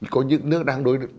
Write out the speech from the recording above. có những nước đang đối đối